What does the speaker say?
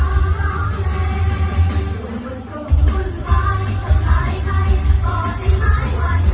มองตะทายเมียกว่าอีกร้องล่ะไม่มีแค่ในใจ